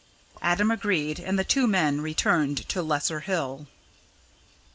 Adam agreed, and the two men returned to Lesser Hill.